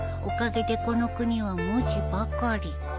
「おかげでこの国は文字ばかり」